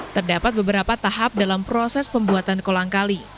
terdapat beberapa tahap dalam proses pembuatan kolangkali